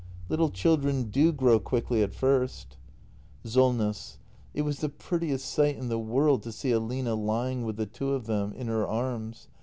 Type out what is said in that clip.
Little children do grow quickly at first. i SOLJTESS. It was the prettiest sigh . in the world to see Aline lying with the two of them \ her arms.